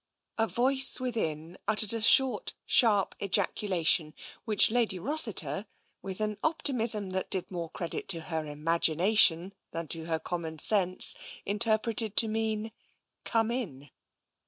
A voice within uttered a short, sharp ejaculation which Lady Rossiter, with an optimism that did more credit to her imagination than to her common sense, interpreted to mean, " Come in